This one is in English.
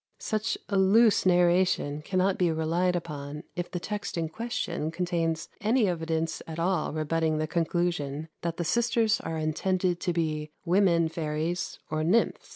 Such a loose narration cannot be relied upon if the text in question contains any evidence at all rebutting the conclusion that the sisters are intended to be "women fairies, or nymphs."